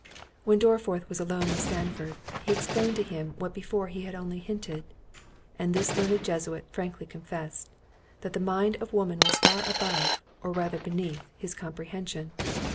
When Dorriforth was alone with Sandford, he explained to him what before he had only hinted; and this learned Jesuit frankly confessed, "That the mind of woman was far above, or rather beneath, his comprehension."